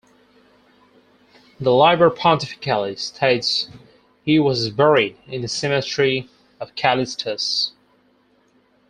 The "Liber Pontificalis" states he was buried in the cemetery of Callistus.